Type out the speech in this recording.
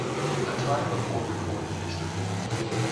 A time before recorded history.